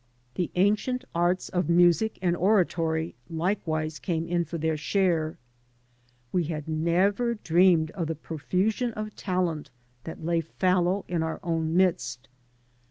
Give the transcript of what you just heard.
The ancient arts of music and oratory likewise came in for their share. We had never dreamed of the pro fusion of talent that lay fallow in our own midst.